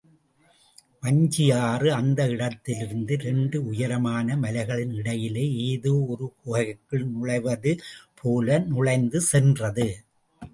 வஞ்சியாறு அந்த இடத்திலிருந்து இரண்டு உயரமான மலைகளின் இடையிலே ஏதோ ஒரு குகைக்குள் நுழைவது போல நுழைந்து சென்றது.